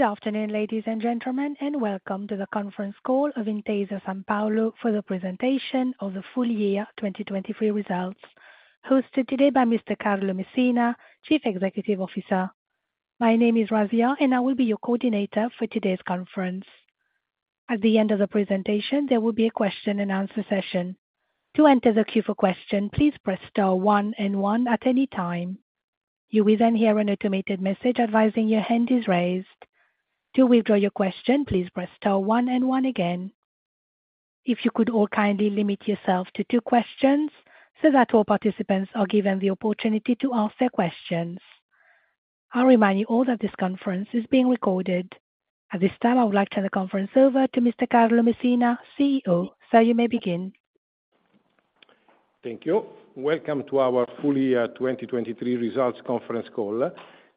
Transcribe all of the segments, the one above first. Good afternoon, ladies and gentlemen, and welcome to the conference call of Intesa Sanpaolo for the presentation of the full year 2023 results, hosted today by Mr. Carlo Messina, Chief Executive Officer. My name is Razia, and I will be your coordinator for today's conference. At the end of the presentation, there will be a question and answer session. To enter the queue for question, please press star one and one at any time. You will then hear an automated message advising your hand is raised. To withdraw your question, please press star one and one again. If you could all kindly limit yourself to two questions, so that all participants are given the opportunity to ask their questions. I'll remind you all that this conference is being recorded. At this time, I would like to turn the conference over to Mr. Carlo Messina, CEO. Sir, you may begin. Thank you. Welcome to our full year 2023 results conference call.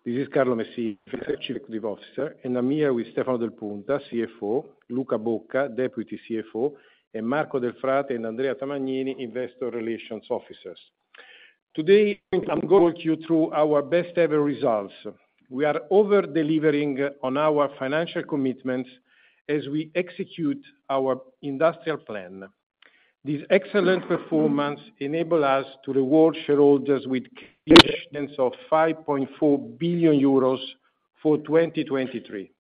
This is Carlo Messina, Chief Executive Officer, and I'm here with Stefano Del Punta, CFO, Luca Bocca, Deputy CFO, and Marco Delfrate and Andrea Tamagnini, Investor Relations Officers. Today, I'm going to walk you through our best ever results. We are over-delivering on our financial commitments as we execute our industrial plan. This excellent performance enable us to reward shareholders with payments of 5.4 billion euros for 2023.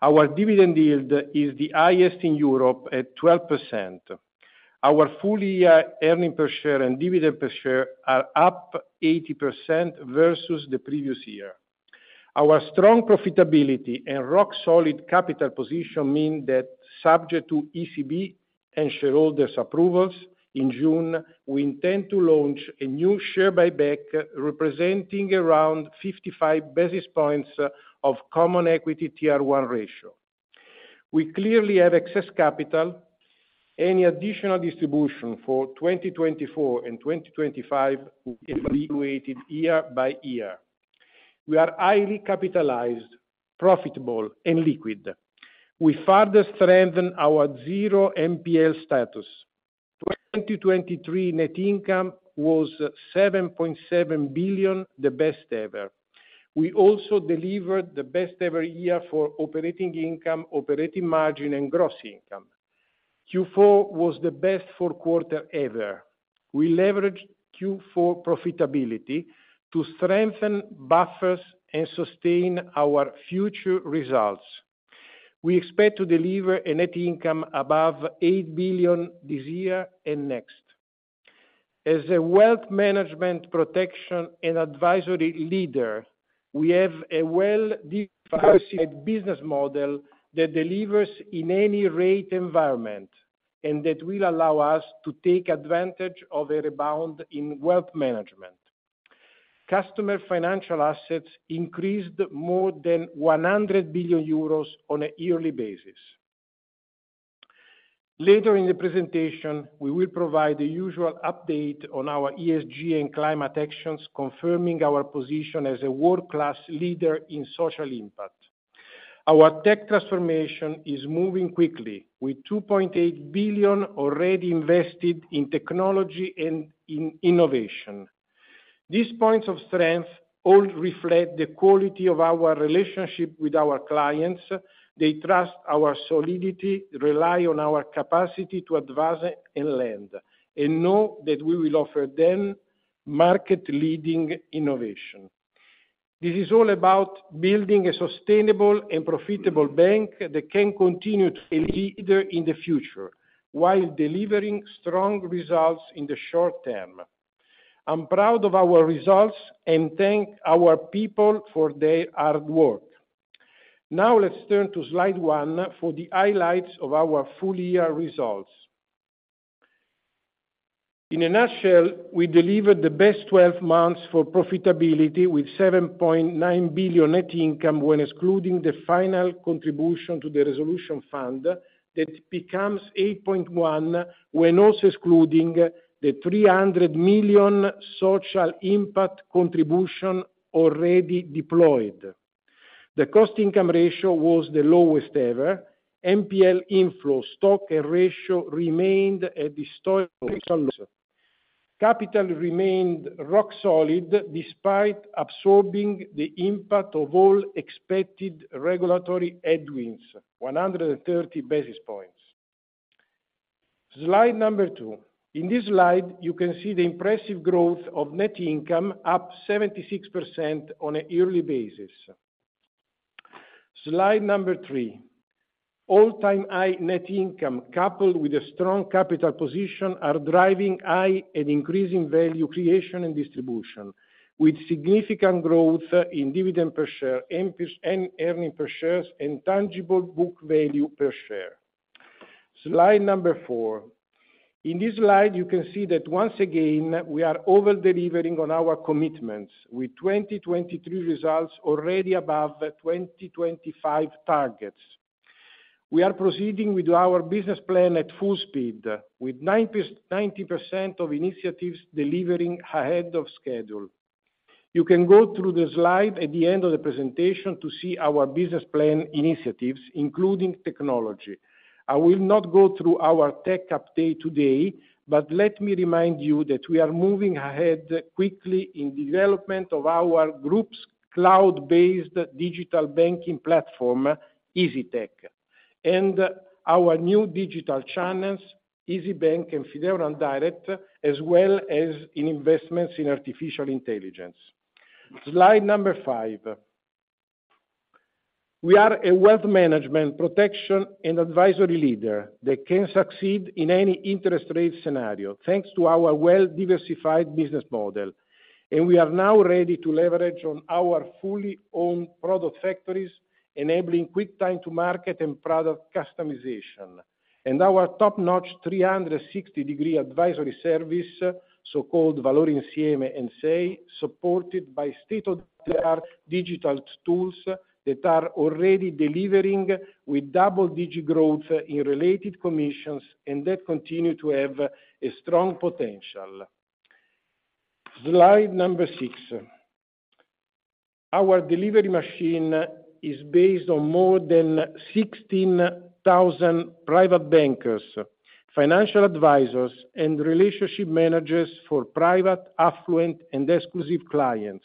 Our dividend yield is the highest in Europe at 12%. Our full year earning per share and dividend per share are up 80% versus the previous year. Our strong profitability and rock-solid capital position mean that subject to ECB and shareholders approvals, in June, we intend to launch a new share buyback, representing around 55 basis points of Common Equity Tier 1 ratio. We clearly have excess capital. Any additional distribution for 2024 and 2025 will be evaluated year by year. We are highly capitalized, profitable, and liquid. We further strengthen our zero NPL status. 2023 net income was 7.7 billion, the best ever. We also delivered the best ever year for operating income, operating margin, and gross income. Q4 was the best fourth quarter ever. We leveraged Q4 profitability to strengthen buffers and sustain our future results. We expect to deliver a net income above 8 billion this year and next. As a wealth management protection and advisory leader, we have a well-diversified business model that delivers in any rate environment, and that will allow us to take advantage of a rebound in wealth management. Customer financial assets increased more than 100 billion euros on a yearly basis. Later in the presentation, we will provide the usual update on our ESG and climate actions, confirming our position as a world-class leader in social impact. Our tech transformation is moving quickly, with 2.8 billion already invested in technology and in innovation. These points of strength all reflect the quality of our relationship with our clients. They trust our solidity, rely on our capacity to advise and lend, and know that we will offer them market-leading innovation. This is all about building a sustainable and profitable bank that can continue to be a leader in the future, while delivering strong results in the short term. I'm proud of our results and thank our people for their hard work. Now, let's turn to slide one for the highlights of our full year results. In a nutshell, we delivered the best 12 months for profitability, with 7.9 billion net income, when excluding the final contribution to the resolution fund, that becomes 8.1 billion, when also excluding the 300 million social impact contribution already deployed. The cost income ratio was the lowest ever. NPL inflow, stock, and ratio remained at historical lows. Capital remained rock solid, despite absorbing the impact of all expected regulatory headwinds, 130 basis points. Slide two. In this slide, you can see the impressive growth of net income, up 76% on a yearly basis. Slide three. All-time high net income, coupled with a strong capital position, are driving high and increasing value creation and distribution, with significant growth in dividend per share, and earnings per share, and tangible book value per share. Slide four. In this slide, you can see that once again, we are over-delivering on our commitments, with 2023 results already above the 2025 targets. We are proceeding with our business plan at full speed, with 90% of initiatives delivering ahead of schedule. You can go through the slide at the end of the presentation to see our business plan initiatives, including technology. I will not go through our tech update today, but let me remind you that we are moving ahead quickly in development of our group's cloud-based digital banking platform, Isytech... and our new digital channels, Isybank and Fideuram Direct, as well as in investments in artificial intelligence. Slide number five. We are a wealth management protection and advisory leader that can succeed in any interest rate scenario, thanks to our well-diversified business model, and we are now ready to leverage on our fully owned product factories, enabling quick time to market and product customization. Our top-notch 360-degree advisory service, so-called Valore Insieme and SEI, supported by state-of-the-art digital tools that are already delivering with double-digit growth in related commissions, and that continue to have a strong potential. Slide six. Our delivery machine is based on more than 16,000 private bankers, financial advisors, and relationship managers for private, affluent, and exclusive clients.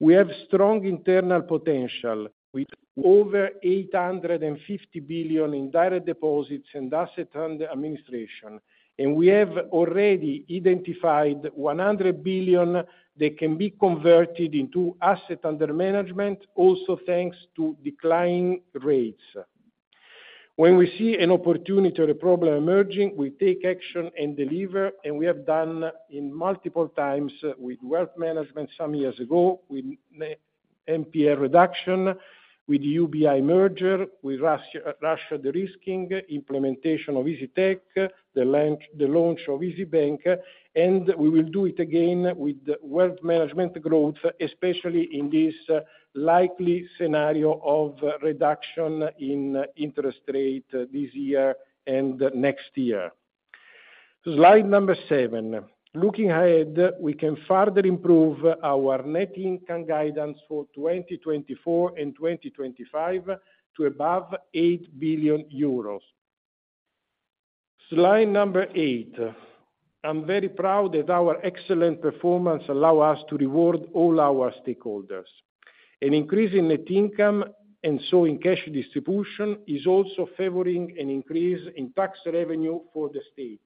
We have strong internal potential, with over 850 billion in direct deposits and asset under administration, and we have already identified 100 billion that can be converted into asset under management, also thanks to declining rates. When we see an opportunity or a problem emerging, we take action and deliver, and we have done in multiple times with wealth management some years ago, with NPL reduction, with UBI merger, with Russia de-risking, implementation of Isytech, the launch of Isybank, and we will do it again with wealth management growth, especially in this likely scenario of reduction in interest rate this year and next year. Slide seven. Looking ahead, we can further improve our net income guidance for 2024 and 2025 to above 8 billion euros. Slide eight. I'm very proud that our excellent performance allow us to reward all our stakeholders. An increase in net income, and so in cash distribution, is also favoring an increase in tax revenue for the state,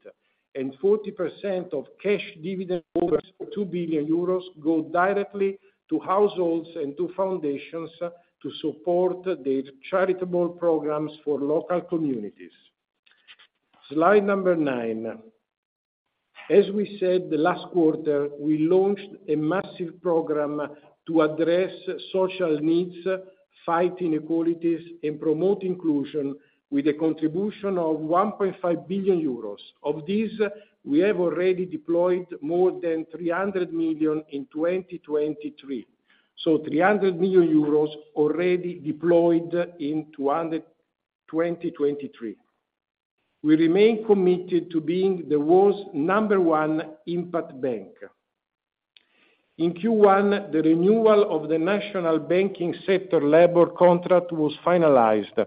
and 40% of cash dividend, over 2 billion euros, go directly to households and to foundations to support the charitable programs for local communities. Slide number nine. As we said last quarter, we launched a massive program to address social needs, fight inequalities, and promote inclusion with a contribution of 1.5 billion euros. Of this, we have already deployed more than 300 million in 2023, so 300 million euros already deployed in 2023. We remain committed to being the world's number one impact bank. In Q1, the renewal of the national banking sector labor contract was finalized.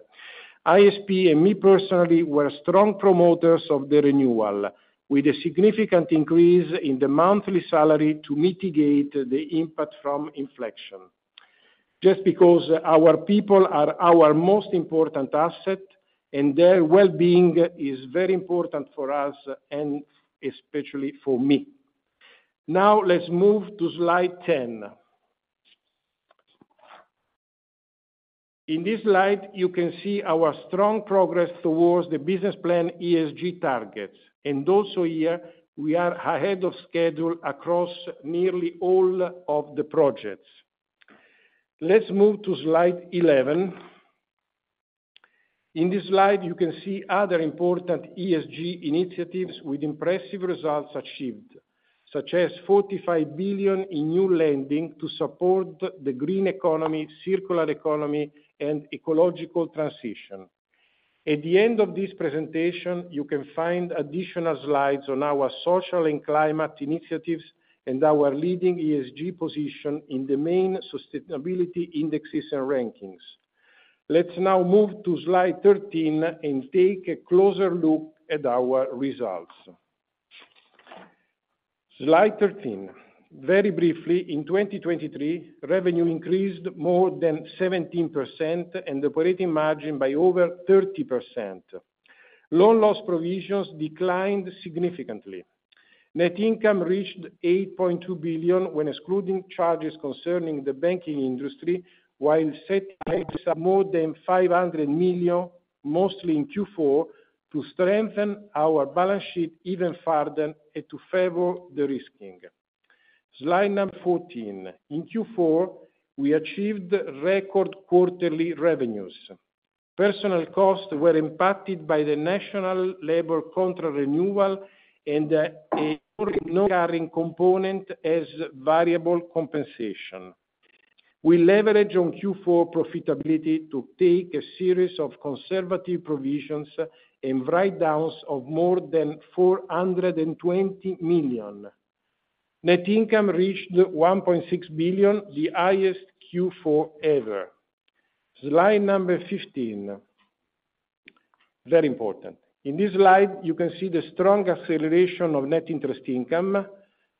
ISP and me personally were strong promoters of the renewal, with a significant increase in the monthly salary to mitigate the impact from inflation. Just because our people are our most important asset, and their well-being is very important for us, and especially for me. Now, let's move to slide 10. In this slide, you can see our strong progress towards the business plan ESG targets, and also here, we are ahead of schedule across nearly all of the projects. Let's move to slide 11. In this slide, you can see other important ESG initiatives with impressive results achieved, such as 45 billion in new lending to support the green economy, circular economy, and ecological transition. At the end of this presentation, you can find additional slides on our social and climate initiatives, and our leading ESG position in the main sustainability indexes and rankings. Let's now move to slide 13 and take a closer look at our results. Slide 13. Very briefly, in 2023, revenue increased more than 17% and the operating margin by over 30%. Loan loss provisions declined significantly. Net income reached 8.2 billion, when excluding charges concerning the banking industry, while setting aside more than 500 million, mostly in Q4, to strengthen our balance sheet even further and to favor de-risking. Slide number 14. In Q4, we achieved record quarterly revenues. Personnel costs were impacted by the national labor contract renewal and, a recurring component as variable compensation. We leverage on Q4 profitability to take a series of conservative provisions and write-downs of more than 420 million. Net income reached 1.6 billion, the highest Q4 ever. Slide number 15.... Very important. In this slide, you can see the strong acceleration of net interest income,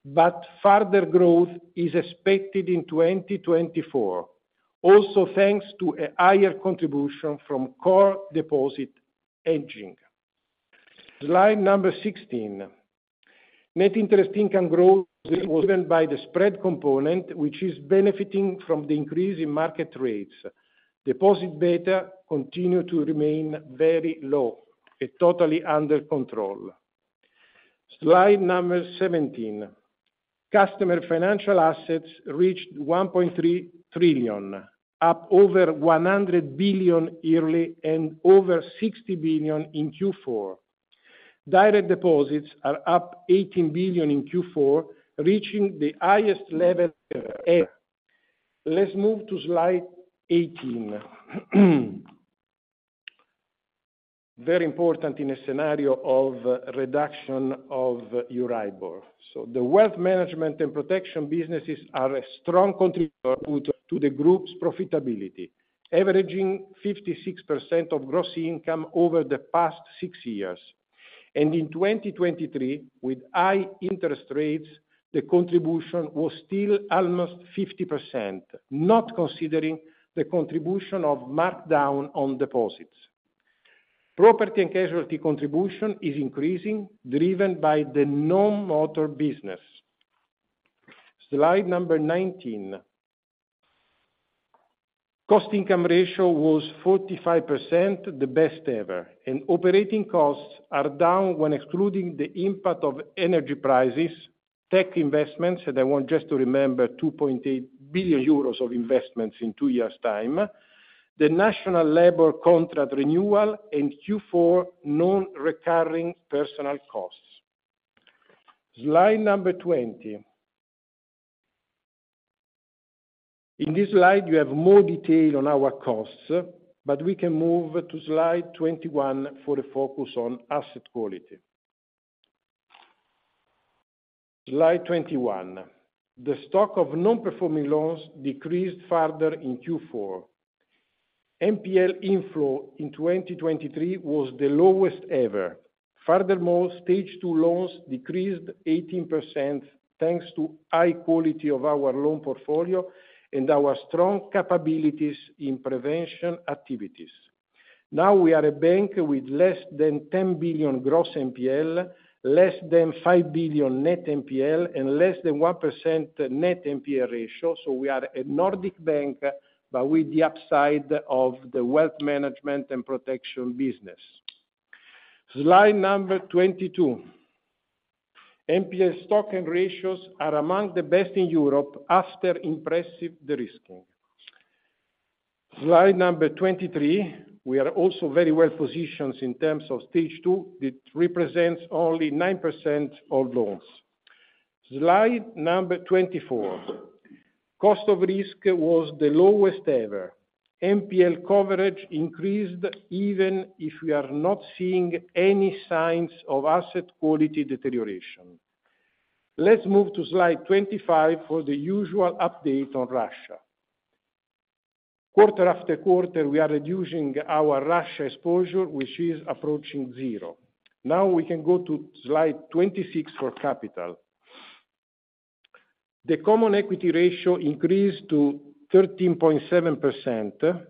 but further growth is expected in 2024, also thanks to a higher contribution from core deposit hedging. Slide number 16. Net interest income growth was driven by the spread component, which is benefiting from the increase in market rates. Deposit beta continue to remain very low and totally under control. Slide number 17. Customer financial assets reached 1.3 trillion, up over 100 billion yearly and over 60 billion in Q4. Direct deposits are up 18 billion in Q4, reaching the highest level ever. Let's move to slide 18. Very important in a scenario of reduction of Euribor. So the wealth management and protection businesses are a strong contributor to, to the group's profitability, averaging 56% of gross income over the past six years. In 2023, with high interest rates, the contribution was still almost 50%, not considering the contribution of markdown on deposits. Property and casualty contribution is increasing, driven by the non-motor business. Slide 19. Cost income ratio was 45%, the best ever, and operating costs are down when excluding the impact of energy prices, tech investments, and I want just to remember, 2.8 billion euros of investments in two years' time, the national labor contract renewal, and Q4 non-recurring personnel costs. Slide 20. In this slide, you have more detail on our costs, but we can move to slide 21 for a focus on asset quality. Slide 21. The stock of non-performing loans decreased further in Q4. NPL inflow in 2023 was the lowest ever. Furthermore, Stage 2 loans decreased 18%, thanks to high quality of our loan portfolio and our strong capabilities in prevention activities. Now we are a bank with less than 10 billion gross NPL, less than 5 billion net NPL, and less than 1% net NPL ratio, so we are a Nordic bank, but with the upside of the wealth management and protection business. Slide number 22. NPL stock and ratios are among the best in Europe after impressive de-risking. Slide number 23, we are also very well positioned in terms of Stage 2. It represents only 9% of loans. Slide number 24, cost of risk was the lowest ever. NPL coverage increased, even if we are not seeing any signs of asset quality deterioration. Let's move to slide 25 for the usual update on Russia. Quarter after quarter, we are reducing our Russia exposure, which is approaching zero. Now we can go to slide 26 for capital. The common equity ratio increased to 13.7%,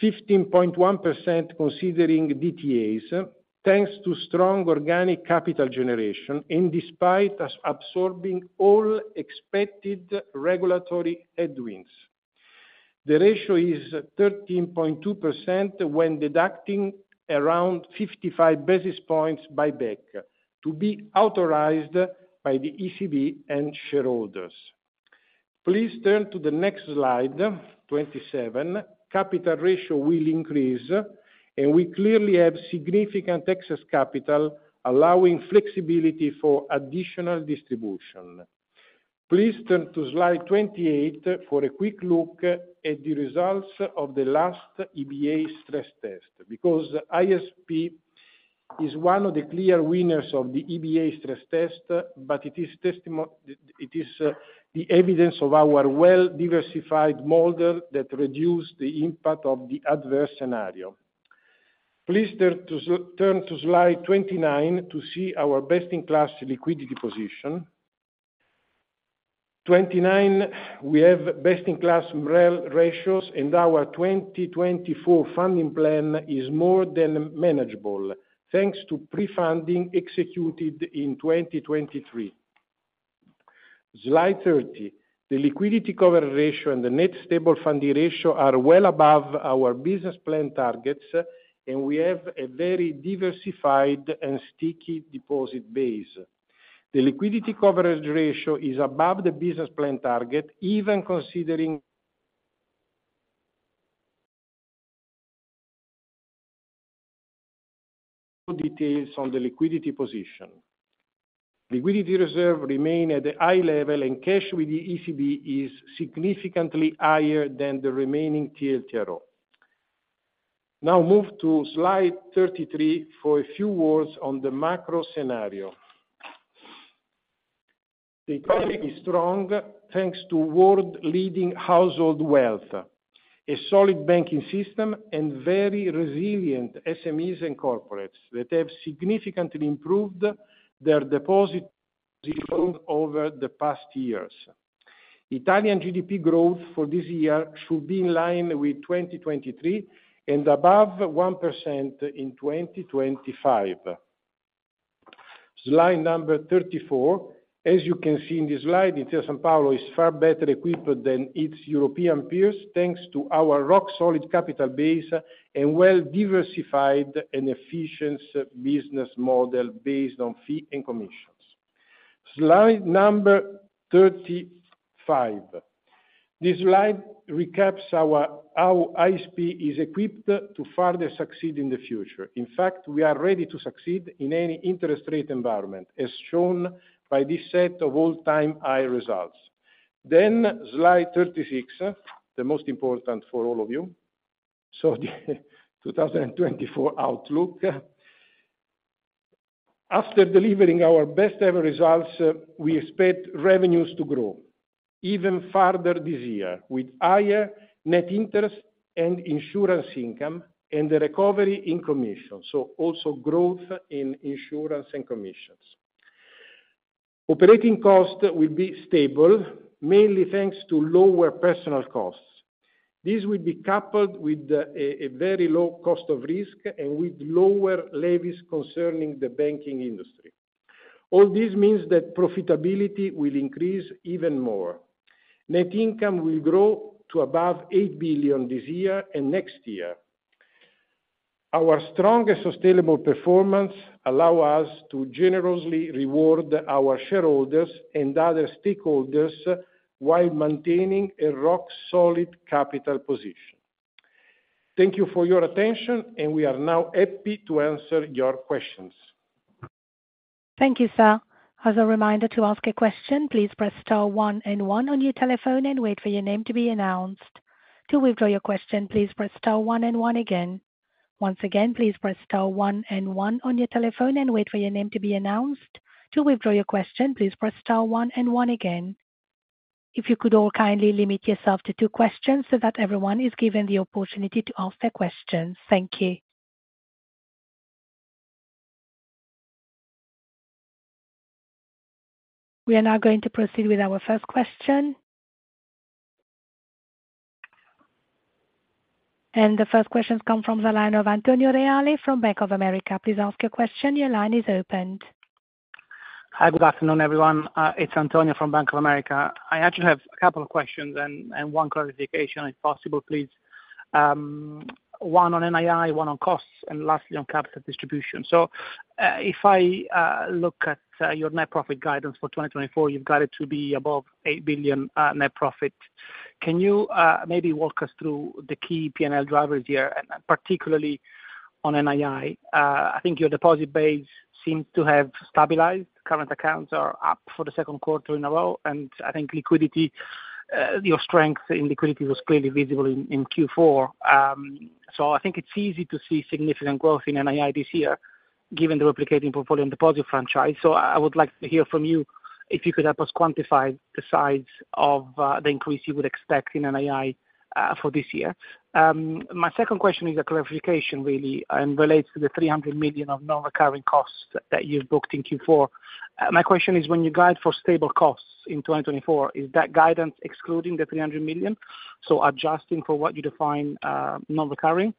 15.1% considering DTAs, thanks to strong organic capital generation, and despite us absorbing all expected regulatory headwinds. The ratio is 13.2% when deducting around 55 basis points buyback, to be authorized by the ECB and shareholders. Please turn to the next slide, 27. Capital ratio will increase, and we clearly have significant excess capital, allowing flexibility for additional distribution. Please turn to slide 28 for a quick look at the results of the last EBA stress test, because ISP is one of the clear winners of the EBA stress test, but it is testimony- it is the evidence of our well-diversified model that reduced the impact of the adverse scenario. Please turn to slide 29 to see our best-in-class liquidity position. 29, we have best-in-class MREL ratios, and our 2024 funding plan is more than manageable, thanks to pre-funding executed in 2023. Slide 30. The liquidity coverage ratio and the net stable funding ratio are well above our business plan targets, and we have a very diversified and sticky deposit base. The liquidity coverage ratio is above the business plan target, even considering- ... details on the liquidity position. Liquidity reserves remain at a high level, and cash with the ECB is significantly higher than the remaining TLTRO. Now move to slide 33 for a few words on the macro scenario... The economy is strong, thanks to world-leading household wealth, a solid banking system, and very resilient SMEs and corporates that have significantly improved their deposits over the past years. Italian GDP growth for this year should be in line with 2023 and above 1% in 2025. Slide number 34. As you can see in this slide, Intesa Sanpaolo is far better equipped than its European peers, thanks to our rock-solid capital base and well-diversified and efficient business model based on fees and commissions. Slide number 35. This slide recaps how ISP is equipped to further succeed in the future. In fact, we are ready to succeed in any interest rate environment, as shown by this set of all-time high results. Then slide 36, the most important for all of you, so the 2024 outlook. After delivering our best-ever results, we expect revenues to grow even further this year, with higher net interest and insurance income and the recovery in commission, so also growth in insurance and commissions. Operating costs will be stable, mainly thanks to lower personnel costs. This will be coupled with a very low cost of risk and with lower levies concerning the banking industry. All this means that profitability will increase even more. Net income will grow to above 8 billion this year and next year. Our strong and sustainable performance allow us to generously reward our shareholders and other stakeholders, while maintaining a rock-solid capital position. Thank you for your attention, and we are now happy to answer your questions. Thank you, sir. As a reminder to ask a question, please press star one and one on your telephone and wait for your name to be announced. To withdraw your question, please press star one and one again. Once again, please press star one and one on your telephone and wait for your name to be announced. To withdraw your question, please press star one and one again. If you could all kindly limit yourself to two questions so that everyone is given the opportunity to ask their questions. Thank you. We are now going to proceed with our first question. The first question comes from the line of Antonio Reale from Bank of America. Please ask your question. Your line is opened. Hi, good afternoon, everyone. It's Antonio from Bank of America. I actually have a couple of questions and one clarification, if possible, please. One on NII, one on costs, and lastly, on capital distribution. So, if I look at your net profit guidance for 2024, you've got it to be above 8 billion net profit. Can you maybe walk us through the key P&L drivers here, and particularly on NII? I think your deposit base seems to have stabilized. Current accounts are up for the second quarter in a row, and I think liquidity, your strength in liquidity was clearly visible in Q4. So, I think it's easy to see significant growth in NII this year, given the replicating portfolio and deposit franchise. So I would like to hear from you if you could help us quantify the size of, the increase you would expect in NII, for this year. My second question is a clarification, really, and relates to the 300 million of non-recurring costs that you've booked in Q4. My question is, when you guide for stable costs in 2024, is that guidance excluding the 300 million, so adjusting for what you define, non-recurring?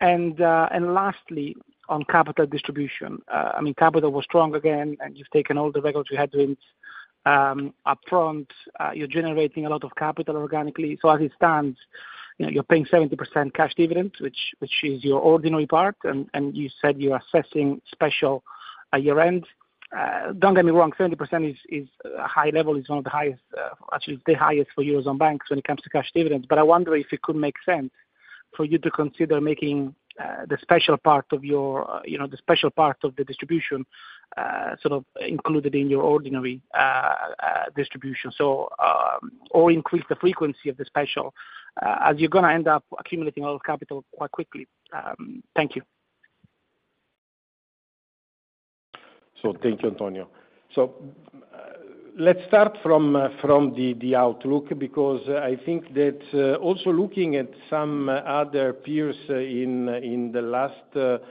And, and lastly, on capital distribution. I mean, capital was strong again, and you've taken all the regulatory headwinds, upfront. You're generating a lot of capital organically. So as it stands, you know, you're paying 70% cash dividends, which, which is your ordinary part, and, and you said you're assessing special at year-end. Don't get me wrong, 70% is a high level. It's one of the highest, actually, the highest for eurozone banks when it comes to cash dividends. But I wonder if it could make sense for you to consider making the special part of your, you know, the special part of the distribution sort of included in your ordinary distribution. So, or increase the frequency of the special as you're gonna end up accumulating all the capital quite quickly. Thank you. Thank you, Antonio. Let's start from the outlook, because I think that also looking at some other peers in the last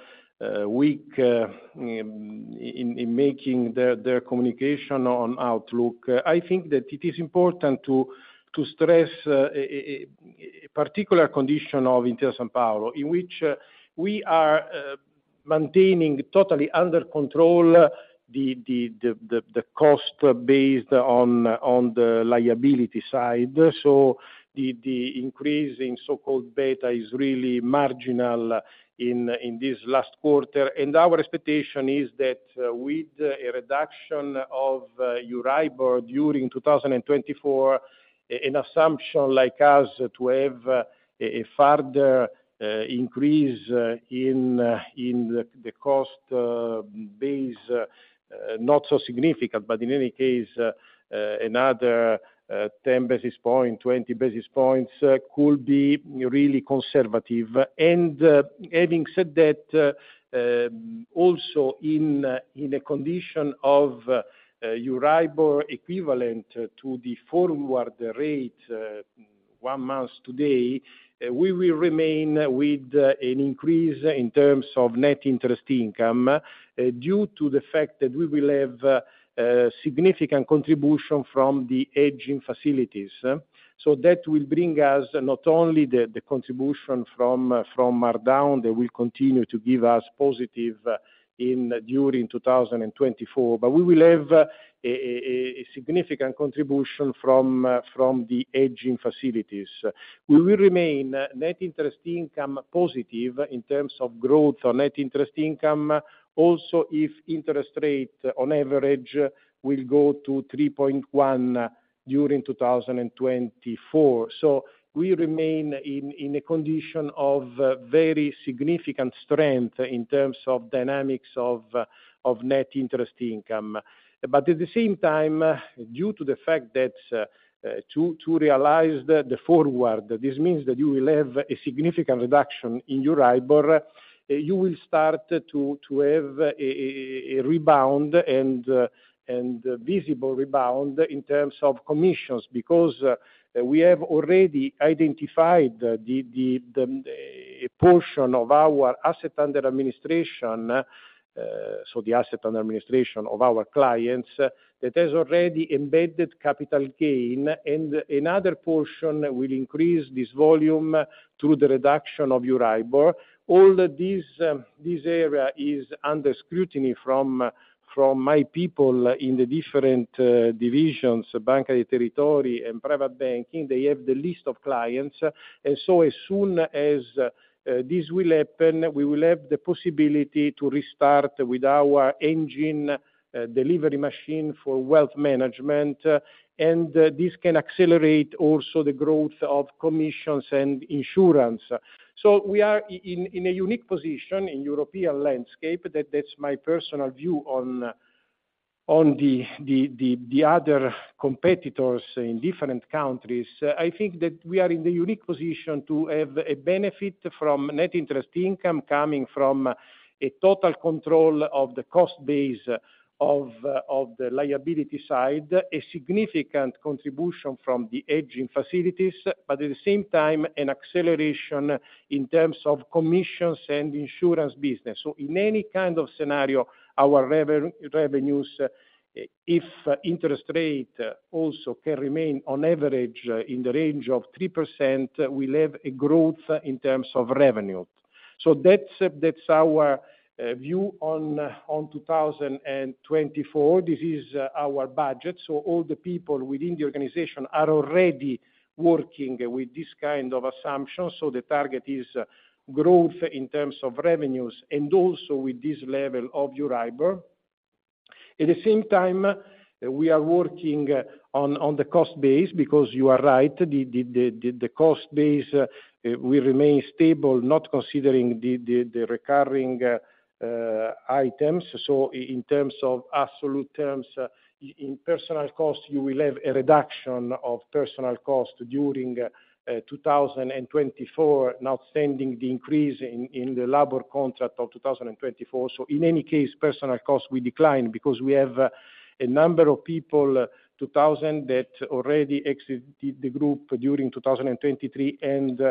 week in making their communication on outlook, I think that it is important to stress a particular condition of Intesa Sanpaolo, in which we are maintaining totally under control the cost based on the liability side. The increase in so-called beta is really marginal in this last quarter. Our expectation is that, with a reduction of Euribor during 2024, an assumption like us to have a further increase in the cost base, not so significant, but in any case, another 10 basis points, 20 basis points, could be really conservative. Having said that, also in a condition of Euribor equivalent to the forward rate one month today, we will remain with an increase in terms of net interest income, due to the fact that we will have significant contribution from the hedging facilities. So that will bring us not only the contribution from markdown, that will continue to give us positive in during 2024, but we will have a significant contribution from the hedging facilities. We will remain net interest income positive in terms of growth or net interest income, also, if interest rate on average will go to 3.1 during 2024. So we remain in a condition of very significant strength in terms of dynamics of net interest income. But at the same time, due to the fact that to realize the forward, this means that you will have a significant reduction in your Euribor. You will start to have a rebound and visible rebound in terms of commissions, because we have already identified a portion of our asset under administration, so the asset under administration of our clients, that has already embedded capital gain, and another portion will increase this volume through the reduction of your Euribor. All this area is under scrutiny from my people in the different divisions, Banca dei Territori and Private Banking. They have the list of clients, and so as soon as this will happen, we will have the possibility to restart with our engine delivery machine for wealth management, and this can accelerate also the growth of commissions and insurance. So we are in a unique position in European landscape. That's my personal view on the other competitors in different countries. I think that we are in the unique position to have a benefit from net interest income coming from a total control of the cost base of the liability side, a significant contribution from the a hedging facilities, but at the same time, an acceleration in terms of commissions and insurance business. So in any kind of scenario, our revenues, if interest rate also can remain on average in the range of 3%, we'll have a growth in terms of revenue. So that's our view on 2024. This is our budget, so all the people within the organization are already working with this kind of assumption. So the target is growth in terms of revenues and also with this level of Euribor. At the same time, we are working on the cost base, because you are right, the cost base will remain stable, not considering the recurring items. So in terms of absolute terms, in personnel costs, you will have a reduction of personnel cost during 2024, notwithstanding the increase in the labor contract of 2024. So in any case, personnel costs will decline because we have a number of people, 2,000, that already exited the group during 2023, and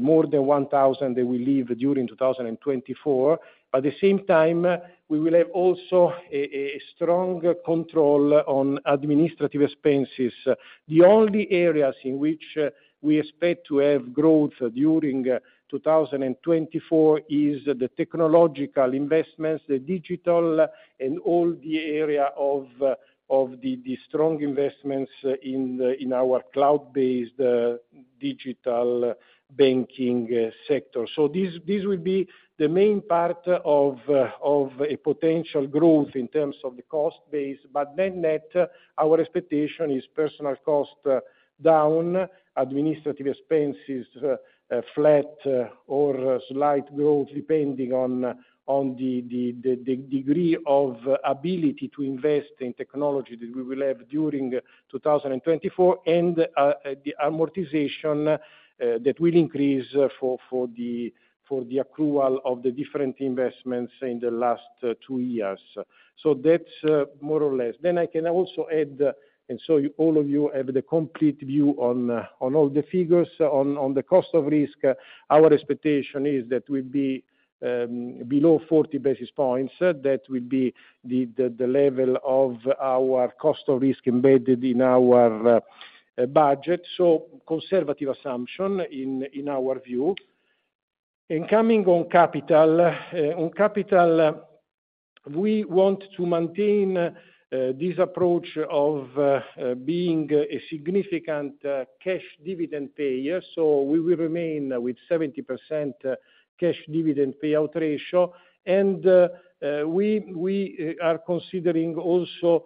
more than 1,000, they will leave during 2024. At the same time, we will have also a strong control on administrative expenses. The only areas in which we expect to have growth during 2024 is the technological investments, the digital, and all the area of the strong investments in our cloud-based digital banking sector. So this will be the main part of a potential growth in terms of the cost base, but then net, our expectation is personnel costs down, administrative expenses flat or slight growth, depending on the degree of ability to invest in technology that we will have during 2024, and the amortization that will increase for the accrual of the different investments in the last two years. So that's more or less. Then I can also add, and so all of you have the complete view on all the figures. On the cost of risk, our expectation is that we'll be below 40 basis points. That will be the level of our cost of risk embedded in our budget, so conservative assumption, in our view. Coming on capital, we want to maintain this approach of being a significant cash dividend payer, so we will remain with 70% cash dividend payout ratio. We are considering also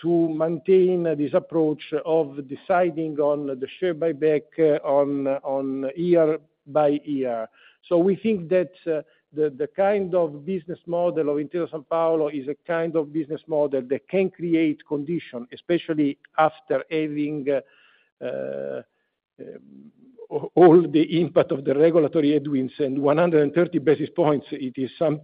to maintain this approach of deciding on the share buyback on year by year. So we think that the kind of business model of Intesa Sanpaolo is a kind of business model that can create condition, especially after having all the input of the regulatory headwinds and 130 basis points, it is some-...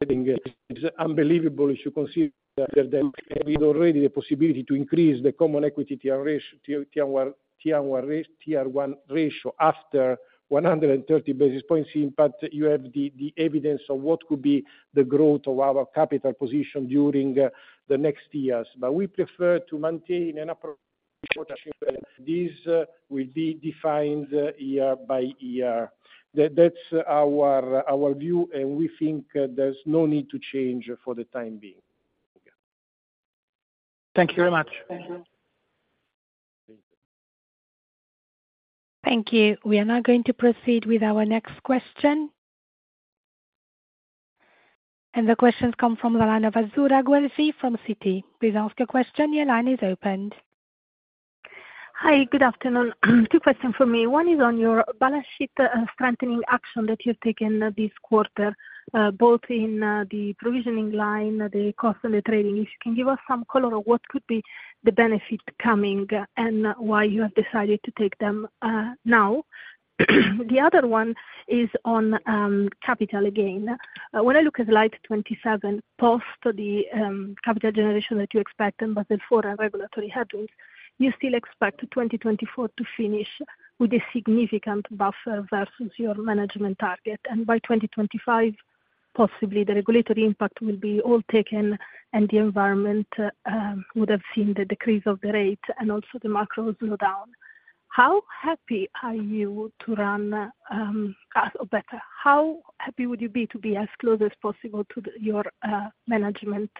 It's unbelievable if you consider that we have already the possibility to increase the Common Equity Tier 1 ratio after 130 basis points, but you have the evidence of what could be the growth of our capital position during the next years. But we prefer to maintain an upper this will be defined year by year. That's our view, and we think there's no need to change for the time being. Thank you very much. Thank you. We are now going to proceed with our next question. The question comes from the line of Azzurra Guelfi from Citi. Please ask your question. Your line is opened. Hi, good afternoon. Two questions for me. One is on your balance sheet, strengthening action that you've taken this quarter, both in, the provisioning line, the cost of the trading. If you can give us some color on what could be the benefit coming, and why you have decided to take them, now? The other one is on, capital again. When I look at slide 27, post the, capital generation that you expect, and but before regulatory headings, you still expect 2024 to finish with a significant buffer versus your management target. And by 2025, possibly the regulatory impact will be all taken, and the environment, would have seen the decrease of the rate and also the macro slow down. How happy are you to run, or better, how happy would you be to be as close as possible to your management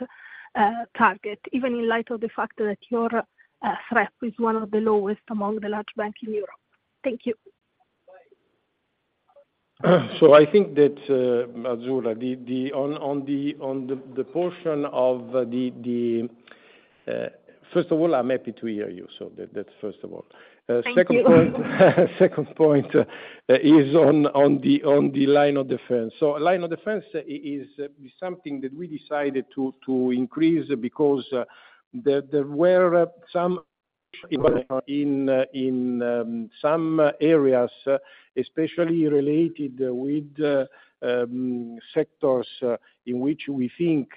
target, even in light of the fact that your CET1 is one of the lowest among the large banks in Europe? Thank you. So I think that, Azzurra, on the portion of the, first of all, I'm happy to hear you. So that's first of all. Thank you. Second point is on the line of defense. So line of defense is something that we decided to increase because there were some areas, especially related with sectors in which we think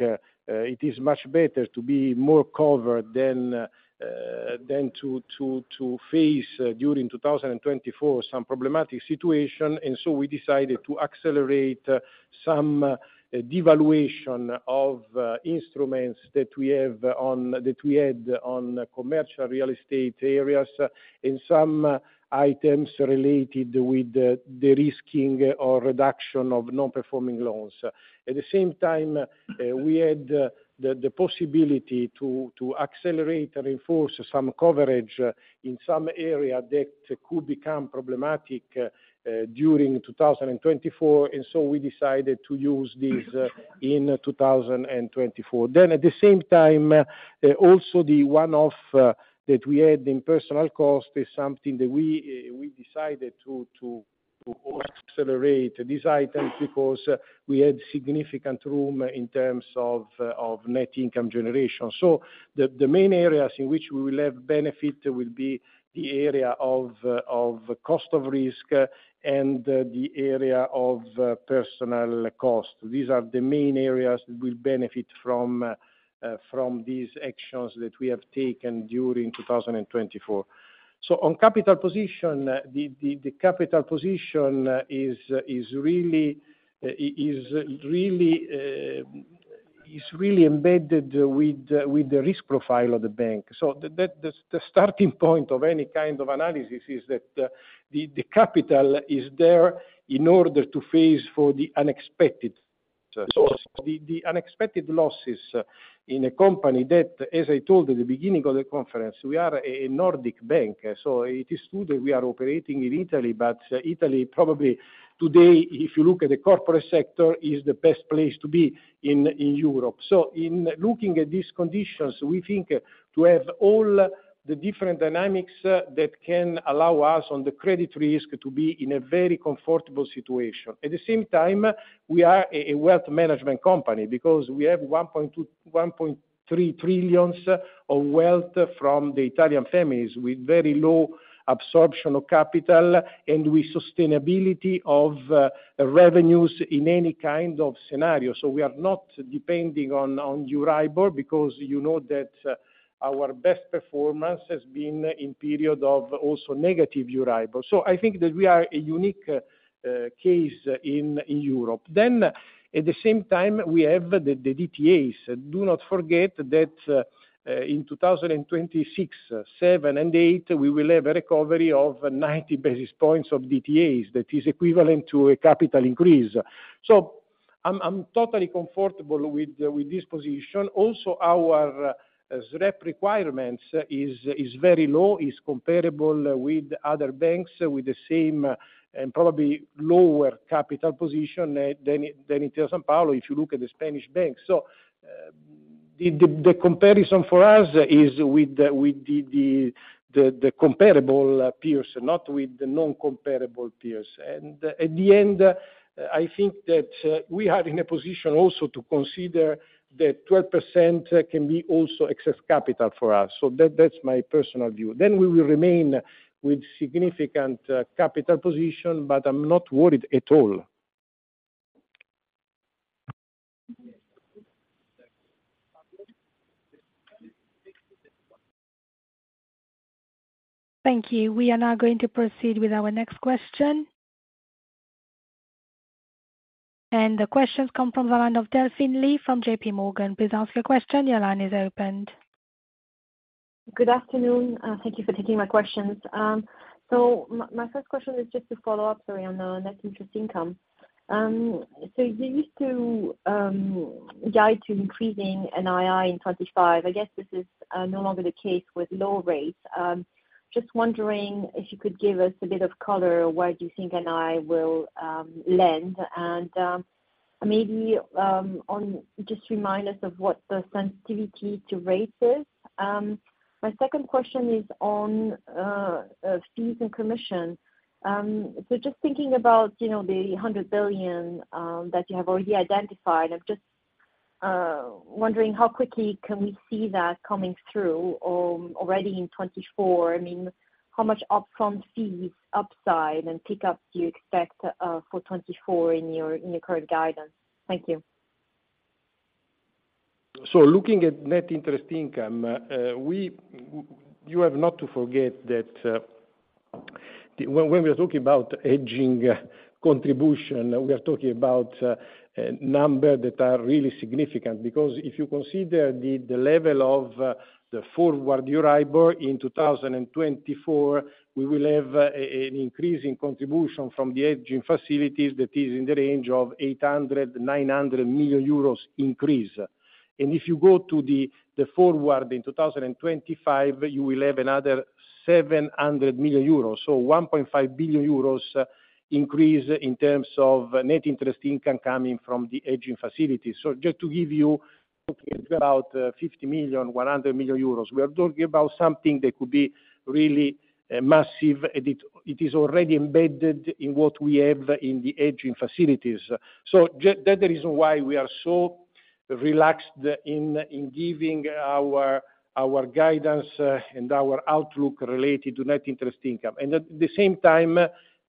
it is much better to be more covered than to face, during 2024, some problematic situation. And so we decided to accelerate some devaluation of instruments that we had on commercial real estate areas, and some items related with the de-risking or reduction of non-performing loans. At the same time, we had the possibility to accelerate and reinforce some coverage in some area that could become problematic during 2024, and so we decided to use this in 2024. Then at the same time, also the one-off that we had in personnel cost is something that we decided to accelerate these items because we had significant room in terms of net income generation. So the main areas in which we will have benefit will be the area of cost of risk and the area of personnel cost. These are the main areas we'll benefit from these actions that we have taken during 2024. So on capital position, the capital position is really embedded with the risk profile of the bank. So the starting point of any kind of analysis is that the capital is there in order to face the unexpected, the unexpected losses in a company that, as I told you at the beginning of the conference, we are a Nordic bank, so it is true that we are operating in Italy, but Italy, probably today, if you look at the corporate sector, is the best place to be in Europe. So in looking at these conditions, we think to have all the different dynamics that can allow us on the credit risk to be in a very comfortable situation. At the same time, we are a wealth management company because we have 1.2-1.3 trillion of wealth from the Italian families, with very low absorption of capital and with sustainability of revenues in any kind of scenario. So we are not depending on Euribor, because you know that our best performance has been in period of also negative Euribor. So I think that we are a unique case in Europe. Then, at the same time, we have the DTAs. Do not forget that in 2026, 2027, and 2028, we will have a recovery of 90 basis points of DTAs. That is equivalent to a capital increase. So I'm totally comfortable with this position. Also, our SREP requirements is very low, is comparable with other banks with the same and probably lower capital position than Intesa Sanpaolo, if you look at the Spanish banks. So, the comparable peers, not with the non-comparable peers. And at the end, I think that we are in a position also to consider that 12% can be also excess capital for us. So that's my personal view. Then we will remain with significant capital position, but I'm not worried at all. Thank you. We are now going to proceed with our next question. The question comes from the line of Delphine Lee from J.P. Morgan. Please ask your question. Your line is opened. Good afternoon, thank you for taking my questions. So my first question is just to follow up sorry, on the net interest income. So you used to guide to increasing NII in 2025, I guess this is no longer the case with low rates. Just wondering if you could give us a bit of color, where do you think NII will lend? And maybe on just remind us of what the sensitivity to rates is. My second question is on fees and commission. So just thinking about, you know, the 100 billion that you have already identified, I'm just wondering how quickly can we see that coming through or already in 2024? I mean, how much upfront fees, upside, and pick up do you expect for 2024 in your current guidance? Thank you. So looking at net interest income, you have not to forget that, when we're talking about hedging contribution, we are talking about number that are really significant. Because if you consider the level of the forward Euribor in 2024, we will have an increase in contribution from the hedging facilities that is in the range of 800 million-900 million euros increase. And if you go to the forward in 2025, you will have another 700 million euros. So 1.5 billion euros increase in terms of net interest income coming from the hedging facilities. So just to give you about 50 million-100 million euros, we are talking about something that could be really massive, and it is already embedded in what we have in the hedging facilities. So that is the reason why we are so relaxed in giving our guidance and our outlook related to net interest income. And at the same time,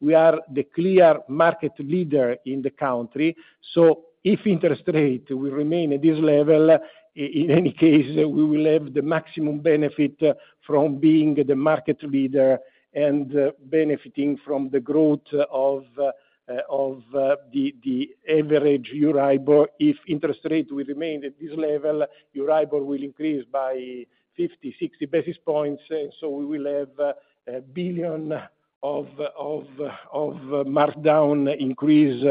we are the clear market leader in the country. So if interest rate will remain at this level, in any case, we will have the maximum benefit from being the market leader and benefiting from the growth of the average Euribor. If interest rate will remain at this level, Euribor will increase by 50-60 basis points, and so we will have 1 billion markdown increase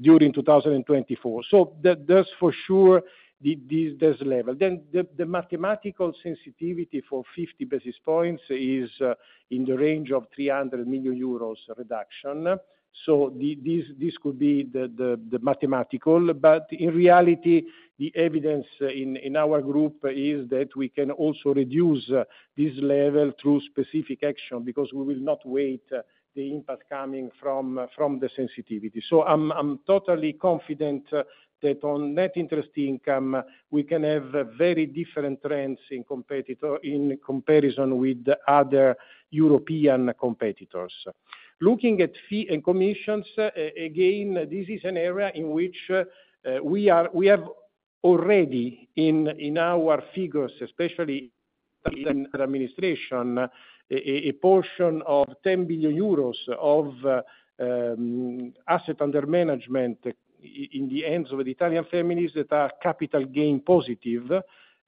during 2024. So that, that's for sure, the, this, this level. Then the, the mathematical sensitivity for 50 basis points is in the range of 300 million euros reduction. So the, this, this could be the, the, the mathematical, but in reality, the evidence in, in our group is that we can also reduce this level through specific action, because we will not wait the impact coming from, from the sensitivity. So I'm, I'm totally confident that on net interest income, we can have very different trends in competitor, in comparison with the other European competitors. Looking at fee and commissions, again, this is an area in which we have already in our figures, especially in the administration, a portion of 10 billion euros of asset under management in the hands of Italian families that are capital gain positive,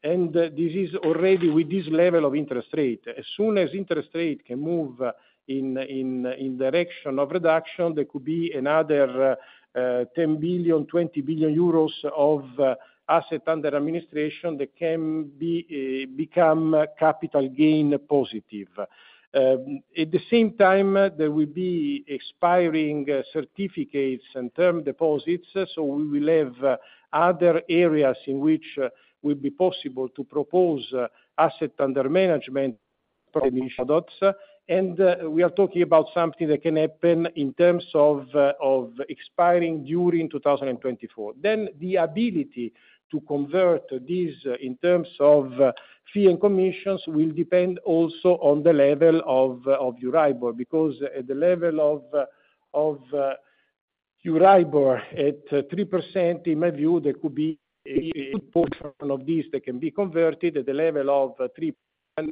and this is already with this level of interest rate. As soon as interest rate can move in direction of reduction, there could be another 10 billion-20 billion euros of asset under administration that can become capital gain positive. At the same time, there will be expiring certificates and term deposits, so we will have other areas in which will be possible to propose asset under management from products. And we are talking about something that can happen in terms of expiring during 2024. Then the ability to convert this in terms of, fee and commissions, will depend also on the level of, Euribor. Because at the level of, Euribor at 3%, in my view, there could be a, portion of this that can be converted at the level of 3%, and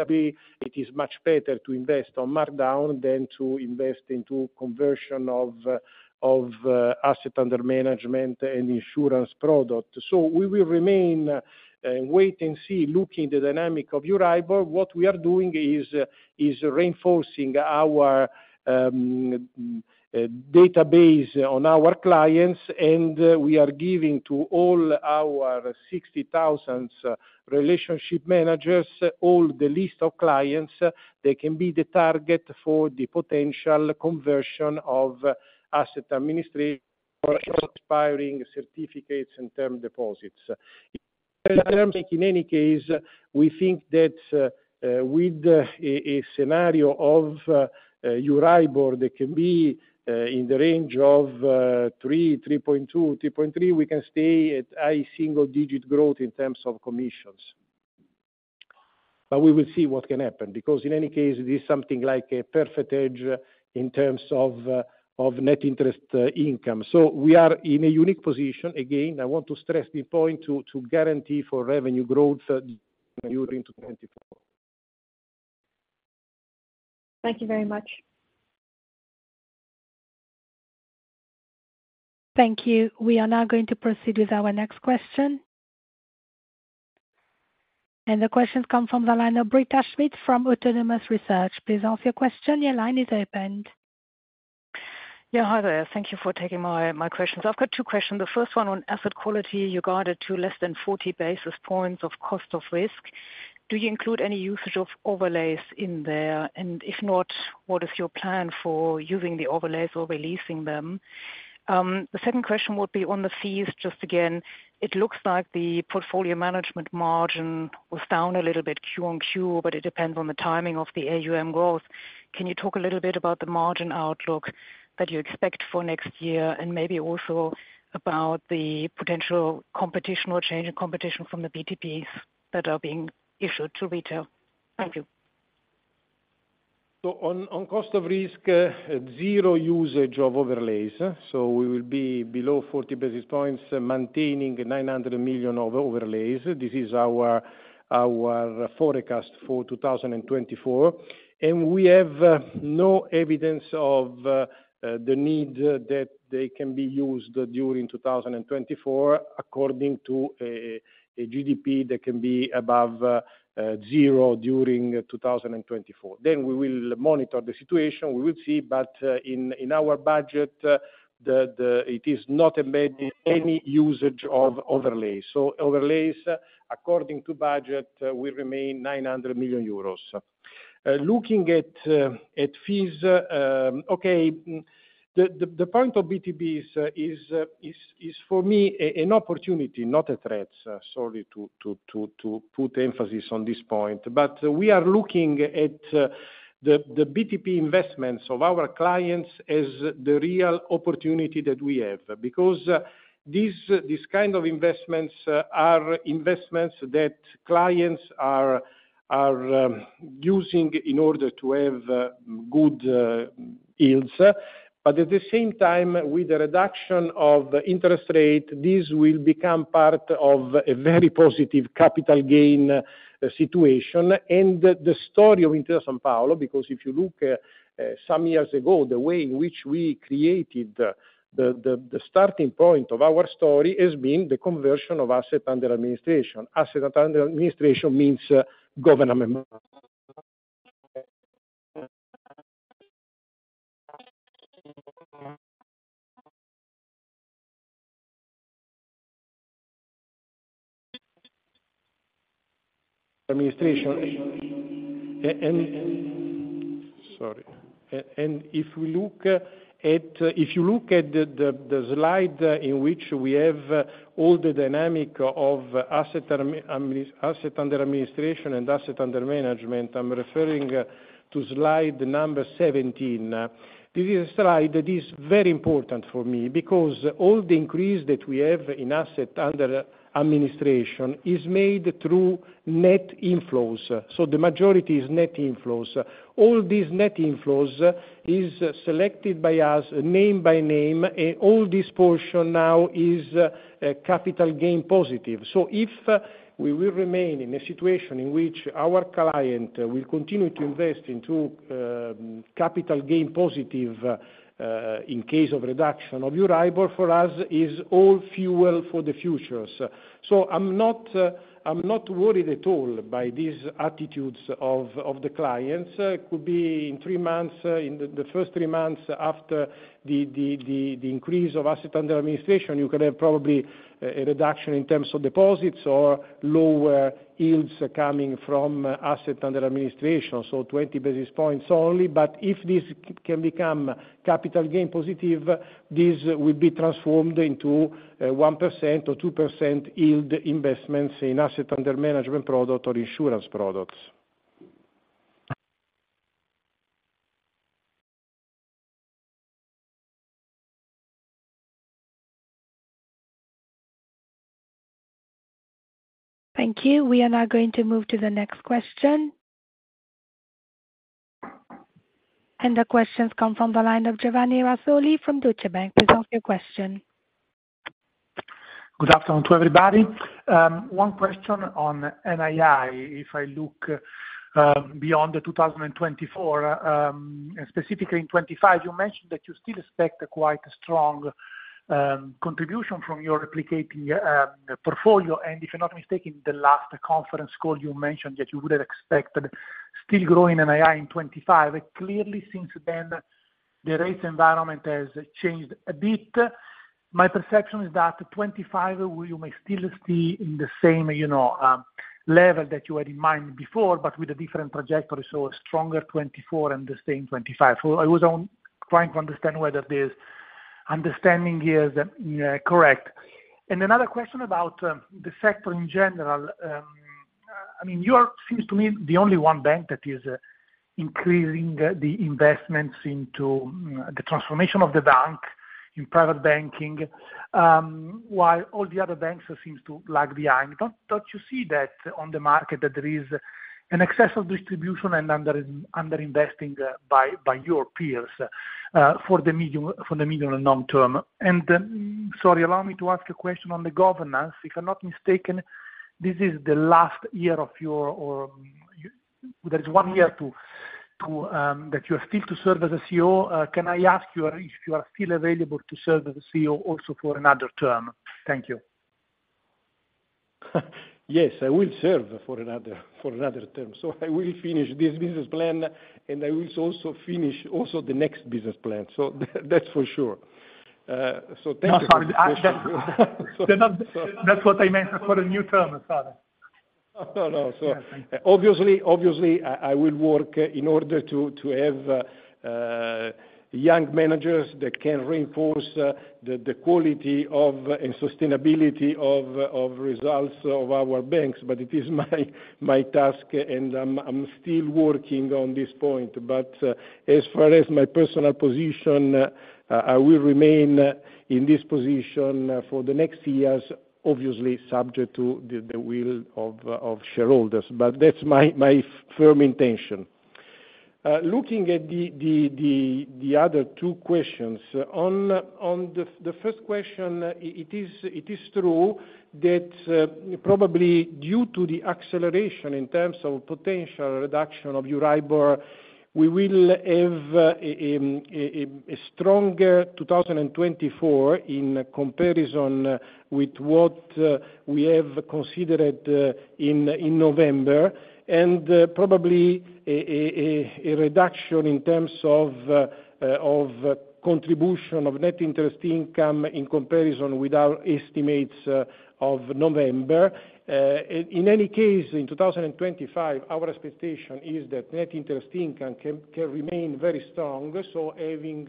it is much better to invest on markdown than to invest into conversion of, asset under management and insurance product. So we will remain, wait and see, looking the dynamic of Euribor. What we are doing is, reinforcing our, database on our clients, and we are giving to all our 60,000 relationship managers, all the list of clients. They can be the target for the potential conversion of asset administration, expiring certificates and term deposits. In any case, we think that, with a scenario of Euribor that can be in the range of, 3.2, 3.3, we can stay at high single digit growth in terms of commissions. But we will see what can happen, because in any case, this is something like a perfect hedge in terms of of net interest income. So we are in a unique position. Again, I want to stress the point to guarantee for revenue growth during 2024.... Thank you very much. Thank you. We are now going to proceed with our next question. The question comes from the line of Britta Schmidt from Autonomous Research. Please ask your question. Your line is open. Yeah, hi there. Thank you for taking my, my questions. I've got two questions. The first one on asset quality, you guided to less than 40 basis points of cost of risk. Do you include any usage of overlays in there? And if not, what is your plan for using the overlays or releasing them? The second question would be on the fees, just again, it looks like the portfolio management margin was down a little bit Q on Q, but it depends on the timing of the AUM growth. Can you talk a little bit about the margin outlook that you expect for next year, and maybe also about the potential competition or change in competition from the BTPs that are being issued to retail? Thank you. So, on cost of risk, zero usage of overlays. So we will be below 40 basis points, maintaining 900 million of overlays. This is our forecast for 2024, and we have no evidence of the need that they can be used during 2024, according to a GDP that can be above zero during 2024. Then we will monitor the situation. We will see, but in our budget, it is not embedded any usage of overlays. So overlays, according to budget, will remain 900 million euros. Looking at fees, okay, the point of BTPs is for me an opportunity, not a threat. Sorry to put emphasis on this point, but we are looking at the BTP investments of our clients as the real opportunity that we have. Because these kind of investments are investments that clients are using in order to have good yields. But at the same time, with the reduction of interest rate, this will become part of a very positive capital gain situation. And the story of Intesa Sanpaolo, because if you look some years ago, the way in which we created the starting point of our story has been the conversion of asset under administration. Asset under administration means government administration. And, sorry. And if you look at the slide in which we have all the dynamic of asset under administration and asset under management, I'm referring to slide number 17. This is a slide that is very important for me because all the increase that we have in asset under administration is made through net inflows, so the majority is net inflows. All these net inflows is selected by us, name by name, and all this portion now is capital gain positive. So if we will remain in a situation in which our client will continue to invest into capital gain positive, in case of reduction of Euribor for us, is all fuel for the futures. So I'm not, I'm not worried at all by these attitudes of the clients. It could be in three months, in the first three months after the increase of asset under administration, you could have probably a reduction in terms of deposits or lower yields coming from asset under administration, so 20 basis points only. But if this can become capital gain positive, this will be transformed into 1% or 2% yield investments in asset under management product or insurance products. Thank you. We are now going to move to the next question. The question comes from the line of Giovanni Razzoli from Deutsche Bank. Please ask your question. Good afternoon to everybody. One question on NII. If I look beyond 2024, specifically in 2025, you mentioned that you still expect a quite strong contribution from your replicating portfolio. And if I'm not mistaken, the last conference call you mentioned that you would have expected still growing NII in 2025. It clearly seems then the rate environment has changed a bit. My perception is that 2025, where you may still see in the same, you know, level that you had in mind before, but with a different trajectory, so a stronger 2024 and the same 2025. So I was trying to understand whether this understanding is correct. And another question about the sector in general. I mean, you are, seems to me, the only one bank that is increasing the investments into the transformation of the bank, in private banking, while all the other banks seems to lag behind. Don't you see that on the market that there is an excess of distribution and under-investing by your peers for the medium and long term? Sorry, allow me to ask a question on the governance. If I'm not mistaken, this is the last year of your, or there is one year to that you are still to serve as a CEO. Can I ask you if you are still available to serve as a CEO also for another term? Thank you. Yes, I will serve for another term. So I will finish this business plan, and I will also finish the next business plan. So that's for sure. So thank you for the question. That's what I meant, for the new term. Sorry. Oh, no. So obviously, I will work in order to have young managers that can reinforce the quality of, and sustainability of, results of our banks, but it is my task, and I'm still working on this point. But, as far as my personal position, I will remain in this position for the next years, obviously subject to the will of shareholders. But that's my firm intention. Looking at the other two questions, on the first question, it is true that probably due to the acceleration in terms of potential reduction of Euribor, we will have a stronger 2024 in comparison with what we have considered in November, and probably a reduction in terms of contribution of net interest income in comparison with our estimates of November. In any case, in 2025, our expectation is that net interest income can remain very strong, so having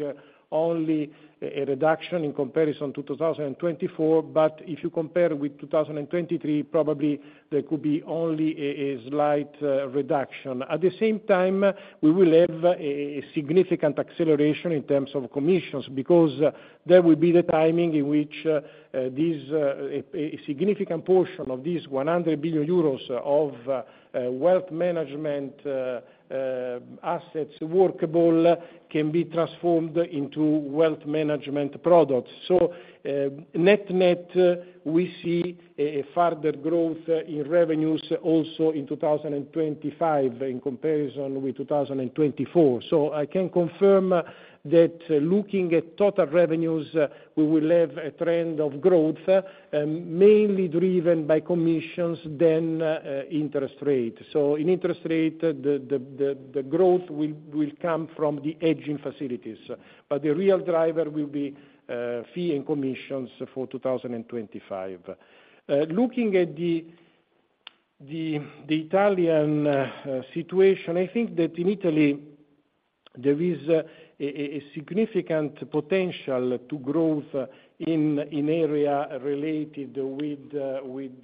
only a reduction in comparison to 2024. But if you compare with 2023, probably there could be only a slight reduction. At the same time, we will have a significant acceleration in terms of commissions, because that will be the timing in which a significant portion of these 100 billion euros of wealth management assets workable can be transformed into wealth management products. So, net-net, we see a further growth in revenues also in 2025, in comparison with 2024. So I can confirm that looking at total revenues, we will have a trend of growth, mainly driven by commissions, then interest rate. So in interest rate, the growth will come from the hedging facilities, but the real driver will be fees and commissions for 2025. Looking at the Italian situation, I think that in Italy, there is a significant potential to growth in area related with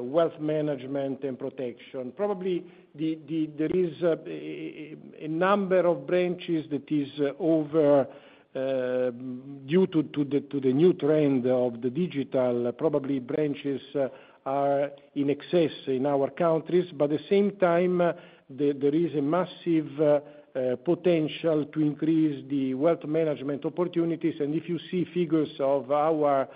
wealth management and protection. Probably there is a number of branches that is over due to the new trend of the digital, probably branches are in excess in our countries, but at the same time, there is a massive potential to increase the wealth management opportunities. And if you see figures of our